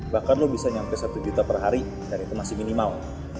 bahkan lo bisa nyampe satu juta per hari dan itu masih minimal